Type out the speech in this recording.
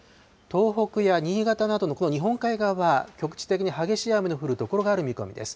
東北や新潟などの日本海側は局地的に激しい雨の降る所がある見込みです。